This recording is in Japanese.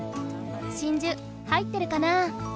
真珠入ってるかな？